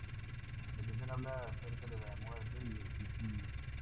La canción habla acerca de la muerte y el suicidio.